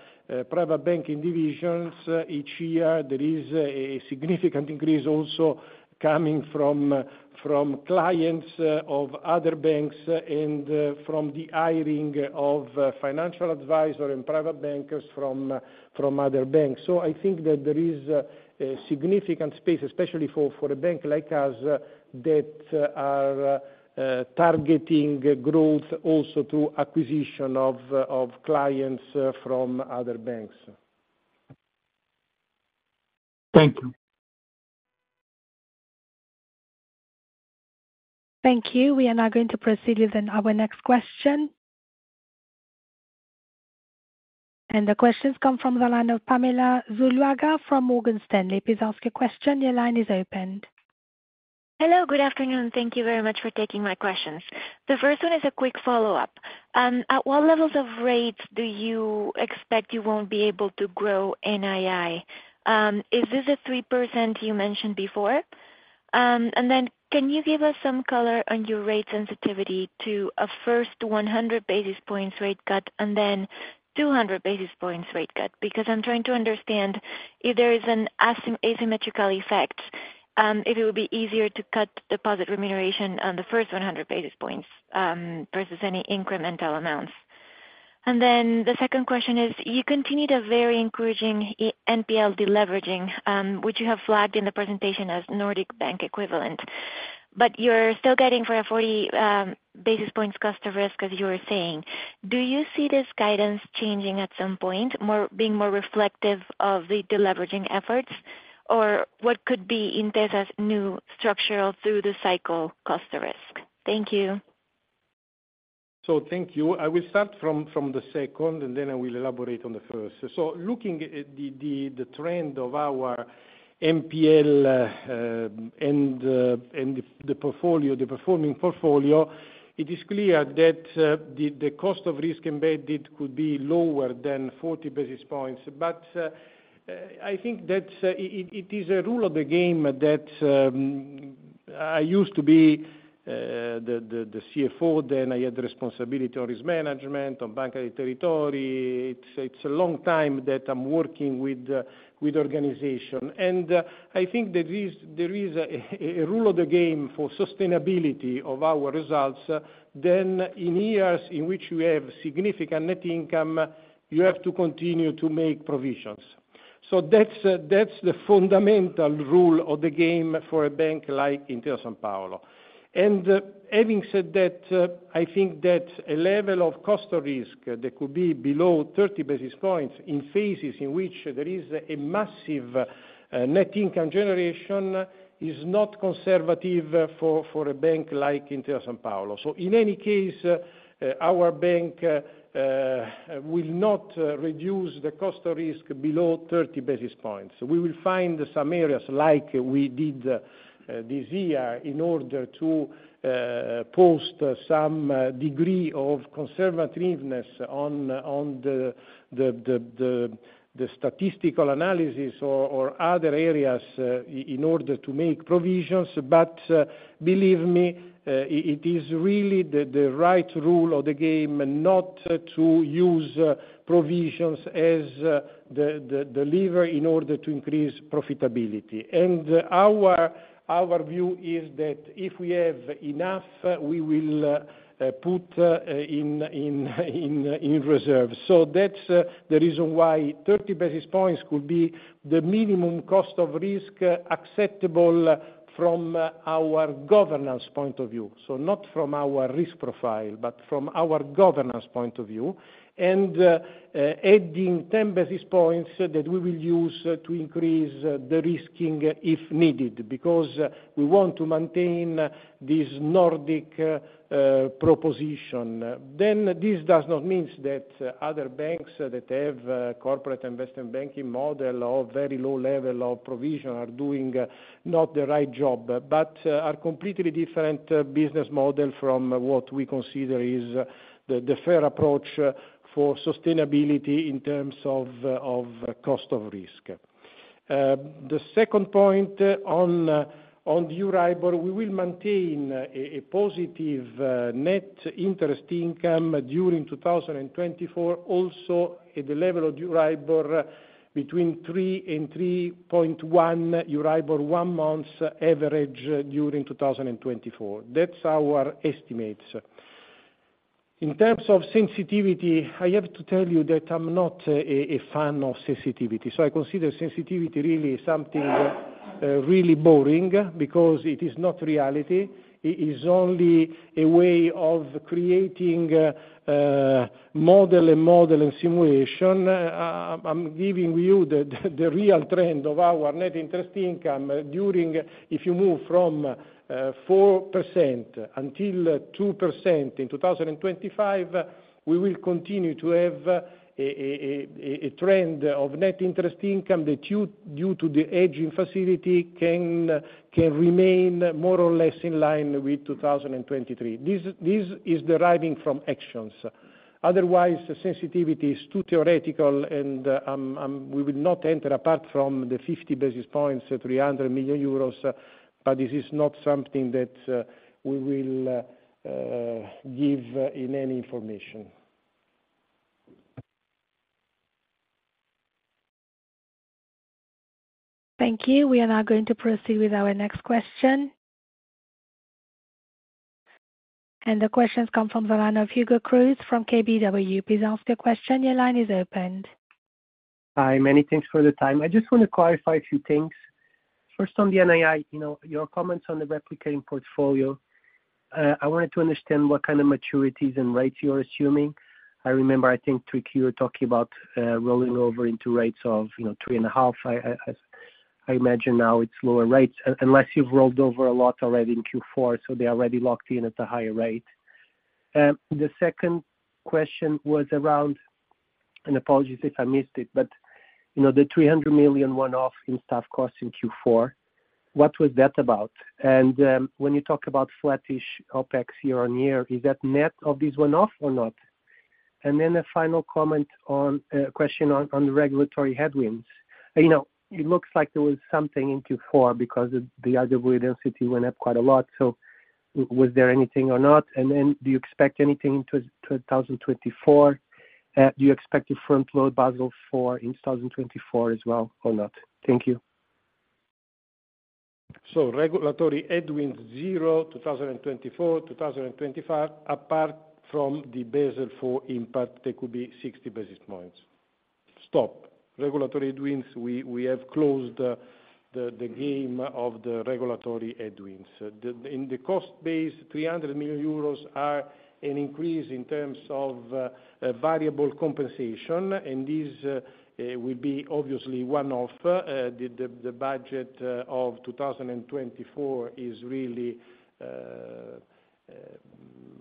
private banking divisions, each year, there is a significant increase also coming from clients of other banks and from the hiring of financial advisors and private bankers from other banks. So I think that there is a significant space, especially for a bank like us that are targeting growth also through acquisition of clients from other banks. Thank you. Thank you. We are now going to proceed with then our next question. The question comes from the line of Pamela Zuluaga from Morgan Stanley. Please ask your question. Your line is open. Hello, good afternoon. Thank you very much for taking my questions. The first one is a quick follow-up. At what levels of rates do you expect you won't be able to grow NII? Is this the 3% you mentioned before? And then can you give us some color on your rate sensitivity to a first 100 basis points rate cut and then 200 basis points rate cut? Because I'm trying to understand if there is an asymmetrical effect, if it would be easier to cut deposit remuneration on the first 100 basis points, versus any incremental amounts. And then the second question is, you continued a very encouraging NPL deleveraging, which you have flagged in the presentation as Nordic Bank equivalent, but you're still getting for a 40 basis points cost to risk, as you were saying. Do you see this guidance changing at some point, more, being more reflective of the deleveraging efforts? Or what could be Intesa's new structural through the cycle cost to risk? Thank you. So thank you. I will start from the second, and then I will elaborate on the first. So looking at the trend of our NPL and the portfolio, the performing portfolio, it is clear that the cost of risk embedded could be lower than 40 basis points. But I think that it is a rule of the game that I used to be the CFO, then I had the responsibility of risk management on Banca Territori. It's a long time that I'm working with organization. And I think there is a rule of the game for sustainability of our results, then in years in which we have significant net income, you have to continue to make provisions. So that's, that's the fundamental rule of the game for a bank like Intesa Sanpaolo. And having said that, I think that a level of cost of risk that could be below 30 basis points in phases in which there is a massive, net income generation, is not conservative for a bank like Intesa Sanpaolo. So in any case, our bank, will not reduce the cost of risk below 30 basis points. We will find some areas, like we did, this year, in order to, post some degree of conservativeness on the statistical analysis or other areas, in order to make provisions. But, believe me, it is really the right rule of the game, not to use provisions as the lever in order to increase profitability. Our view is that if we have enough, we will put in reserve. So that's the reason why 30 basis points could be the minimum cost of risk acceptable from our governance point of view. So not from our risk profile, but from our governance point of view. And adding 10 basis points that we will use to increase the risking, if needed, because we want to maintain this Nordic proposition. Then this does not mean that other banks that have corporate investment banking model or very low level of provision are doing not the right job, but are completely different business model from what we consider is the fair approach for sustainability in terms of cost of risk. The second point on Euribor, we will maintain a positive net interest income during 2024, also at the level of Euribor between three and 3.1 Euribor, one month's average during 2024. That's our estimates. In terms of sensitivity, I have to tell you that I'm not a fan of sensitivity. So I consider sensitivity really something really boring, because it is not reality. It is only a way of creating model and model and simulation. I'm giving you the real trend of our net interest income. During, if you move from 4% to 2% in 2025, we will continue to have a trend of net interest income that due to the aging facility can remain more or less in line with 2023. This is deriving from actions. Otherwise, sensitivity is too theoretical, and we will not enter, apart from the 50 basis points, 300 million euros, but this is not something that we will give in any information. Thank you. We are now going to proceed with our next question. The question comes from the line of Hugo Cruz, from KBW. Please ask your question. Your line is open. Hi, many thanks for the time. I just want to clarify a few things. First, on the NII, you know, your comments on the replicating portfolio. I wanted to understand what kind of maturities and rates you are assuming. I remember, I think, 3Q, you were talking about rolling over into rates of, you know, 3.5. I imagine now it's lower rates, unless you've rolled over a lot already in Q4, so they're already locked in at the higher rate. The second question was around, and apologies if I missed it, but, you know, the 300 million one-off in staff costs in Q4, what was that about? And when you talk about flattish OpEx year-over-year, is that net of this one-off or not? And then a final comment on question on the regulatory headwinds. You know, it looks like there was something in Q4, because the RWA density went up quite a lot. So was there anything or not? And then do you expect anything in 2024? Do you expect to front load Basel IV in 2024 as well, or not? Thank you. So regulatory headwinds, 0, 2024, 2025, apart from the Basel IV impact, there could be 60 basis points. Stop. Regulatory headwinds, we have closed the game of the regulatory headwinds. In the cost base, 300 million euros are an increase in terms of variable compensation, and this will be obviously one-off. The budget of 2024 is really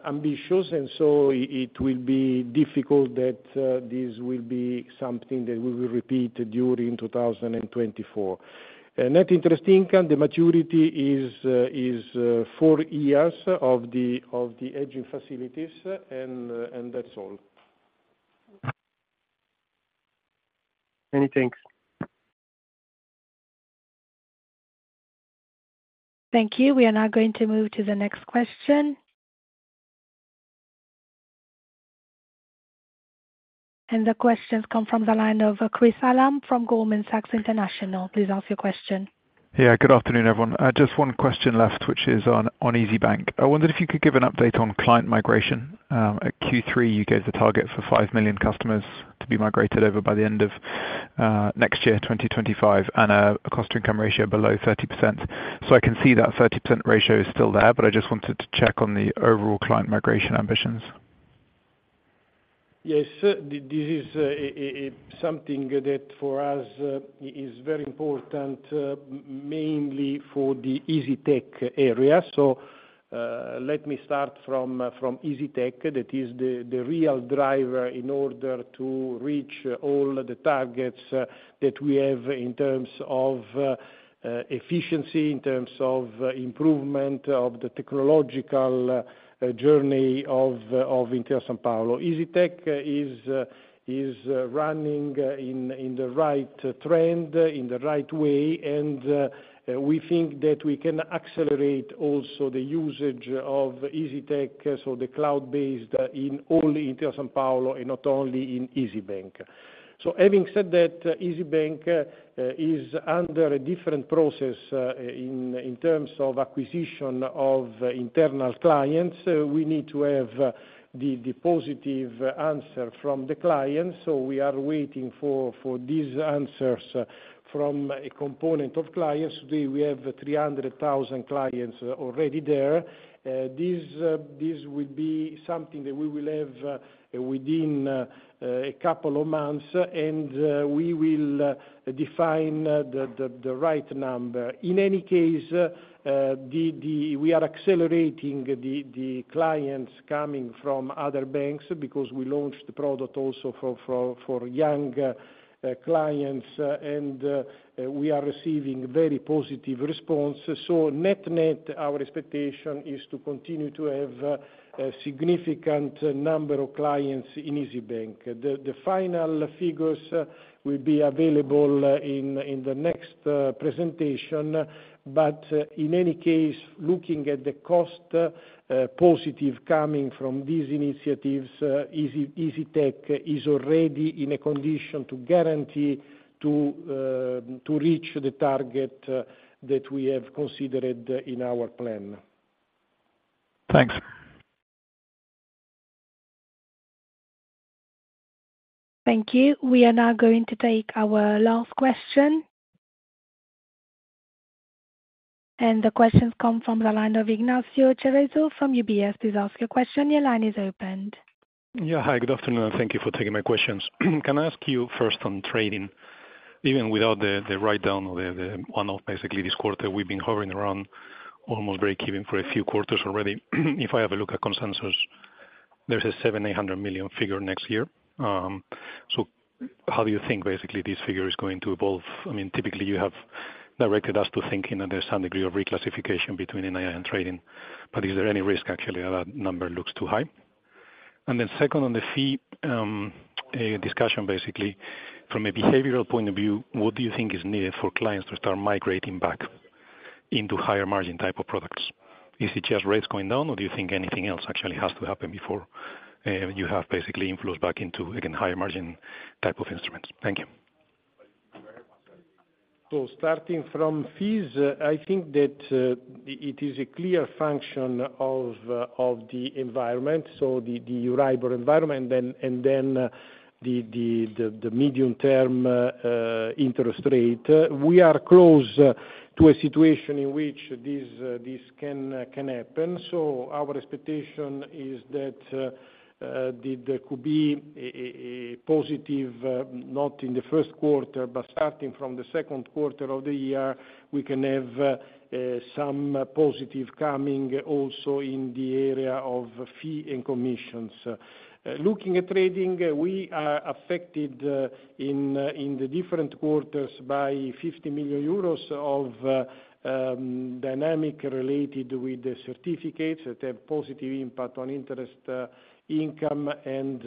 ambitious, and so it will be difficult that this will be something that we will repeat during 2024. Net interest income, the maturity is four years of the hedging facilities, and that's all.... Many thanks. Thank you. We are now going to move to the next question. The question comes from the line of Chris Hallam from Goldman Sachs International. Please ask your question. Yeah, good afternoon, everyone. Just one question left, which is on, on Isybank. I wondered if you could give an update on client migration. At Q3, you gave the target for 5 million customers to be migrated over by the end of next year, 2025, and a cost-to-income ratio below 30%. So I can see that 30% ratio is still there, but I just wanted to check on the overall client migration ambitions. Yes, sir. This is something that for us is very important, mainly for the Isytech area. So, let me start from Isytech, that is the real driver in order to reach all the targets that we have in terms of efficiency, in terms of improvement of the technological journey of Intesa Sanpaolo. Isytech is running in the right trend, in the right way, and we think that we can accelerate also the usage of Isytech, so the cloud-based in all Intesa Sanpaolo, and not only in Isybank. So having said that, Isybank is under a different process in terms of acquisition of internal clients. We need to have the positive answer from the clients, so we are waiting for these answers from a component of clients. Today, we have 300,000 clients already there. This will be something that we will have within a couple of months, and we will define the right number. In any case, we are accelerating the clients coming from other banks, because we launched the product also for young clients, and we are receiving very positive response. So net-net, our expectation is to continue to have a significant number of clients in Isybank. The final figures will be available in the next presentation, but in any case, looking at the cost positive coming from these initiatives, Isytech is already in a condition to guarantee to reach the target that we have considered in our plan. Thanks. Thank you. We are now going to take our last question. The question comes from the line of Ignacio Cerezo from UBS. Please ask your question. Your line is opened. Yeah, hi. Good afternoon, and thank you for taking my questions. Can I ask you first on trading? Even without the, the write-down or the, the one-off, basically, this quarter, we've been hovering around almost breakeven for a few quarters already. If I have a look at consensus, there's a 700-800 million figure next year. So how do you think basically this figure is going to evolve? I mean, typically, you have directed us to thinking that there's some degree of reclassification between NII and trading, but is there any risk, actually, that number looks too high? And then second, on the fee discussion, basically, from a behavioral point of view, what do you think is needed for clients to start migrating back into higher margin type of products? Is it just rates going down, or do you think anything else actually has to happen before you have basically inflows back into, again, higher margin type of instruments? Thank you. So starting from fees, I think that it is a clear function of the environment, so the Euribor environment, then, and then the medium-term interest rate. We are close to a situation in which this can happen. So our expectation is that there could be a positive, not in the first quarter, but starting from the second quarter of the year, we can have some positive coming also in the area of fees and commissions. Looking at trading, we are affected in the different quarters by 50 million euros of dynamic related with the certificates that have positive impact on interest income and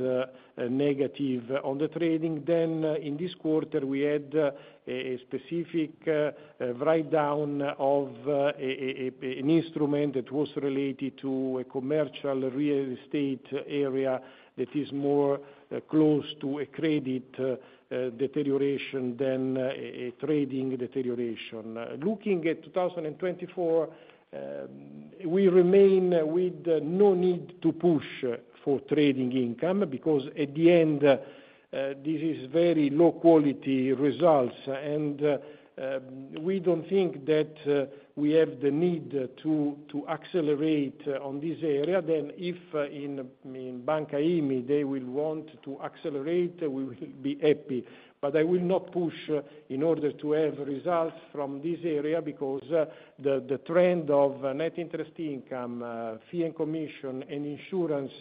negative on the trading. Then, in this quarter, we had a specific write-down of an instrument that was related to a commercial real estate area that is more close to a credit deterioration than a trading deterioration. Looking at 2024, we remain with no need to push for trading income, because at the end, this is very low quality results, and we don't think that we have the need to accelerate on this area. Then, if in Banca IMI, they will want to accelerate, we will be happy. But I will not push in order to have results from this area, because the trend of net interest income, fee and commission, and insurance,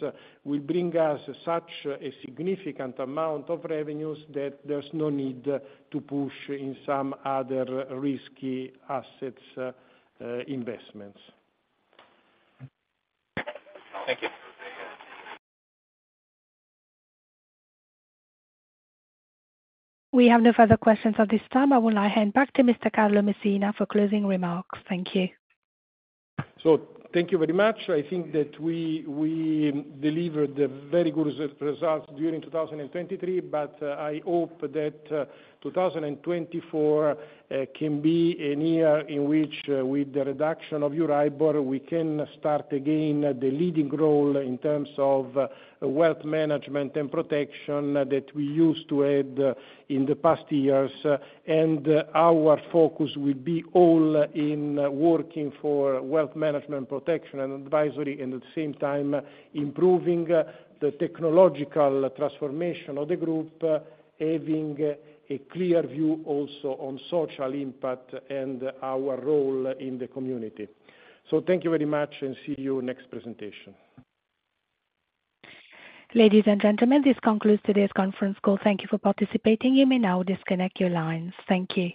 will bring us such a significant amount of revenues that there's no need to push in some other risky assets, investments. Thank you. We have no further questions at this time. I will now hand back to Mr. Carlo Messina for closing remarks. Thank you. So thank you very much. I think that we delivered very good results during 2023, but I hope that 2024 can be a year in which, with the reduction of Euribor, we can start again the leading role in terms of wealth management and protection that we used to have in the past years. And our focus will be all in working for wealth management, protection, and advisory, and at the same time, improving the technological transformation of the group, having a clear view also on social impact and our role in the community. So thank you very much, and see you next presentation. Ladies and gentlemen, this concludes today's conference call. Thank you for participating. You may now disconnect your lines. Thank you.